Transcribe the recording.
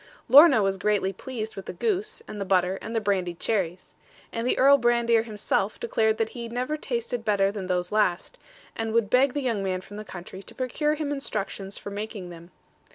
Lorna was greatly pleased with the goose, and the butter, and the brandied cherries; and the Earl Brandir himself declared that he never tasted better than those last, and would beg the young man from the country to procure him instructions for making them.